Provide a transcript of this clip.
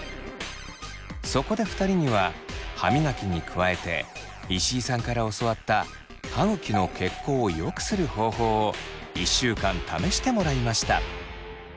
そこで２人には歯みがきに加えて石井さんから教わった歯ぐきの血行を良くする方法を１週間試してもらいました。